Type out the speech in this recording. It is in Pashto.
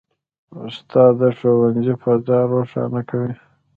استاد د ښوونځي فضا روښانه کوي.